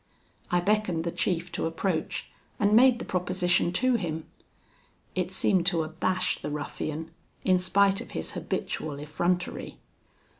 I beckoned the chief to approach, and made the proposition to him. It seemed to abash the ruffian, in spite of his habitual effrontery.